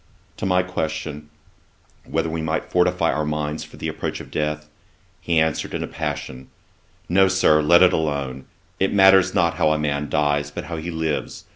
To my question, whether we might not fortify our minds for the approach of death, he answered, in a passion, 'No, Sir, let it alone. It matters not how a man dies, but how he lives.